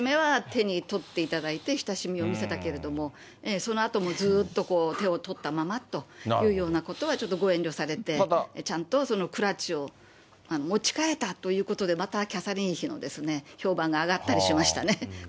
初めは手に取っていただいて、親しみを見せたけれども、そのあともずっと手を取ったままというようなことはちょっとご遠慮されて、ちゃんとそのクラッチを持ち替えたということで、またキャサリン妃の評判が上がったりしましたね。